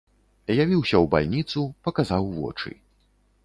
Явіўся ў бальніцу, паказаў вочы.